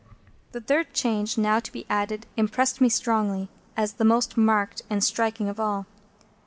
The third change now to be added impressed me strongly as the most marked and striking of all.